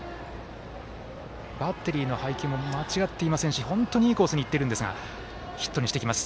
バッテリーの配球も間違っていませんし本当にいいコースにいってるんですがヒットにしてきます。